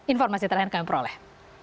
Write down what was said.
informasi terakhir kami peroleh